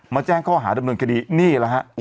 แจ้งข้อหาดำเนินคดีนี่แหละฮะ